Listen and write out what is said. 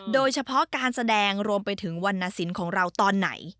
โดยเฉพาะการแสดงรวมไปถึงวรรณสินของเราตอนไหน